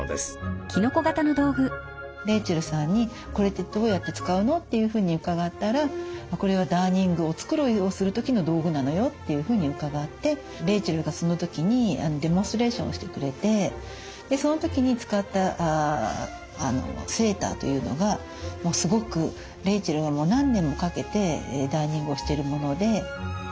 レイチェルさんに「これってどうやって使うの？」というふうに伺ったら「これはダーニングお繕いをする時の道具なのよ」というふうに伺ってレイチェルがその時にデモンストレーションをしてくれてその時に使ったセーターというのがもうすごくレイチェルがもう何年もかけてダーニングをしてるもので。